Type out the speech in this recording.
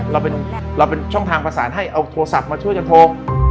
เราเป็นช่องทางประสานให้เอาโทรศัพท์มาช่วยกันโทร